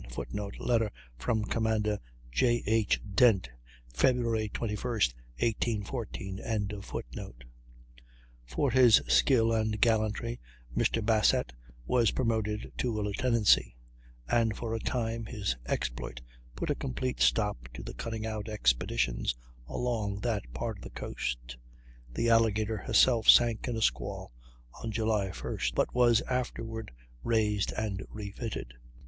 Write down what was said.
[Footnote: Letter from Commander J. H. Dent, Feb. 21, 1814.] For his skill and gallantry Mr. Basset was promoted to a lieutenancy, and for a time his exploit put a complete stop to the cutting out expeditions along that part of the coast. The Alligator herself sank in a squall on July 1st, but was afterward raised and refitted.